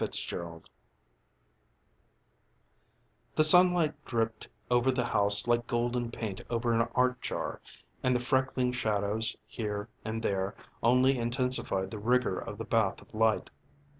The Ice Palace The sunlight dripped over the house like golden paint over an art jar, and the freckling shadows here and there only intensified the rigor of the bath of light.